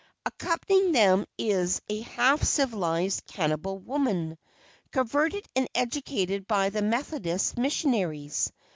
Accompanying them is a half civilized Cannibal woman, converted and educated by the Methodist missionaries.